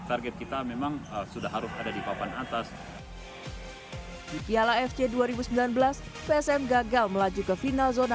target kita memang sudah harus ada di papan atas di piala fc dua ribu sembilan belas psm gagal melaju ke final zona